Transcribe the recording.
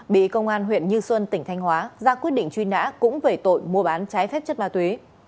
bị công an huyện như xuân tỉnh thanh hóa ra quyết định truy nã cũng về tội mua bán trái phép chất ma túy